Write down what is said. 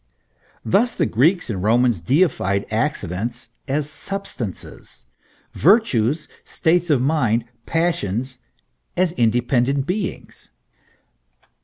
Thus the Greeks and Romans deified accidents as substances : virtues, states of mind, passions, as independent beings.